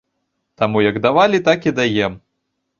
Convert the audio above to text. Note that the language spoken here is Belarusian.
Таму, як давалі, так і даем.